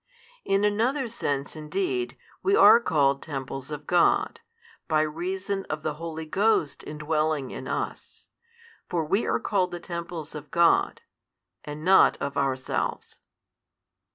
In another sense indeed, we are called temples of God, by reason of the Holy Ghost indwelling in us. For we are called the temples of God, and not of ourselves.